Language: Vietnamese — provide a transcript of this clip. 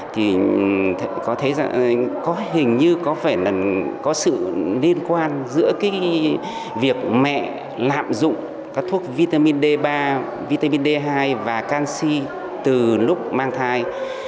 thì có hình như có phải là có sự liên quan giữa việc mẹ lạm dụng các thuốc vitamin d ba vitamin d hai và canxi từ lúc mang thai